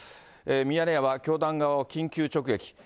ミヤネ屋は、教団側を緊急直撃。